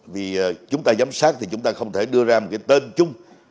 vì chúng ta giám sát thì chúng ta không thể đưa ra một cái tên chung